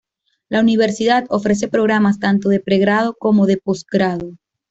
La universidad ofrece programas tanto de pregrado como de postgrado.